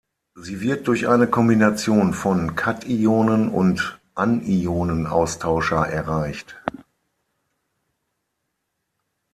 Sie wird durch eine Kombination von Kationen- und Anionenaustauscher erreicht.